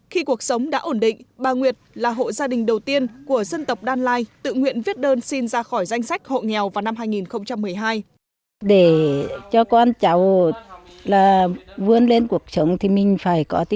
khi cuộc sống đã ổn định bà nguyệt là hộ gia đình đầu tiên của dân tộc đan lai tự nguyện viết đơn xin ra khỏi danh sách hộ